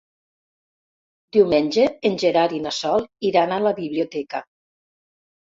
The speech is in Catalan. Diumenge en Gerard i na Sol iran a la biblioteca.